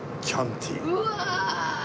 うわ！